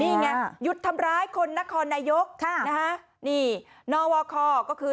นี่ไงหยุดทำร้ายคนนครนายกค่ะนะฮะนี่นวคก็คือ